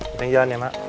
jalan jalan ya mak